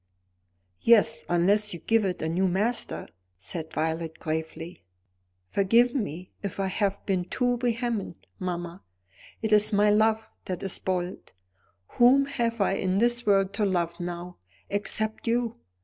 "Yes; unless you give it a new master," said Violet gravely. "Forgive me if I have been too vehement, mamma. It is my love that is bold. Whom have I in this world to love now, except you?